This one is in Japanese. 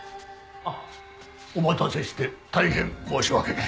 お待たせして大変申し訳ない。